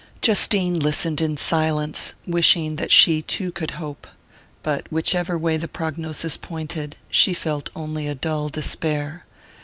Justine listened in silence, wishing that she too could hope. But whichever way the prognosis pointed, she felt only a dull despair.